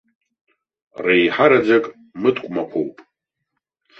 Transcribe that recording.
Реиҳараӡак мыткәмақәоуп.